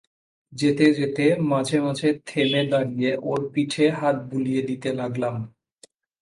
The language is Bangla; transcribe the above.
যেতে যেতে মাঝে মাঝে থেমে দাঁড়িয়ে ওর পিঠে হাত বুলিয়ে দিতে লাগলাম।